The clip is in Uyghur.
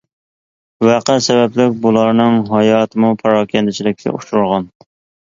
ۋەقە سەۋەبلىك بۇلارنىڭ ھاياتىمۇ پاراكەندىچىلىككە ئۇچرىغان.